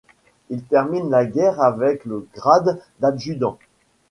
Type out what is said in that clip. Il termine la guerre avec le grade d’adjudant.